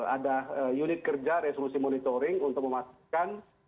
ada unit kerja resolusi monitoring untuk memastikan